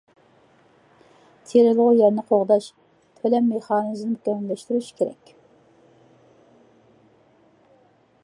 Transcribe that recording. تېرىلغۇ يەرنى قوغداش تۆلەم مېخانىزمىنى مۇكەممەللەشتۈرۈش كېرەك.